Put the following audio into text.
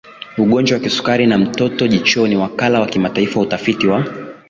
ugonjwa wa sukari na mtoto jichoni Wakala wa Kimataifa wa Utafiti wa